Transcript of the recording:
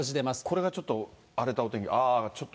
これがちょっと荒れたお天気、ああ、ちょっと。